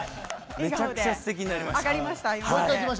めちゃくちゃすてきになりました。